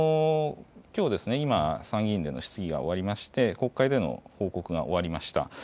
きょう、今、参議院での質疑が終わりまして、国会での報告が終わりました。